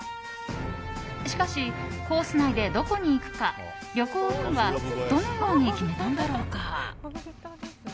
しかしコース内でどこに行くか旅行委員はどのように決めたのだろうか。